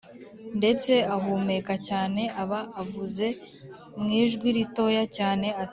ndetse ahumeka cyane, aba avuze mwijwi ritoya cyane ati: